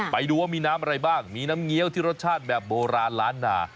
ไปดูว่ามีน้ำอะไรบ้างมีน้ำเงี้ยวที่รสชาติแบบโบราณล้านนา